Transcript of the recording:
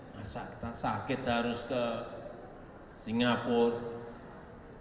masa kita sakit harus ke singapura